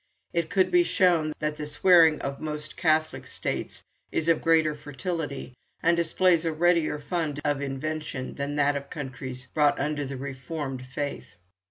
It could be shown that the swearing of most Catholic states is of greater fertility, and displays a readier fund of invention than that of countries brought under the reformed faith.